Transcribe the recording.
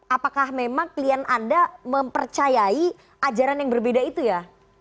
apakah memang klien anda mempercayai ajaran yang berbeda itu ya